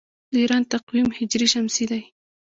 د ایران تقویم هجري شمسي دی.